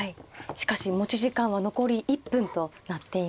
しかし持ち時間は残り１分となっています。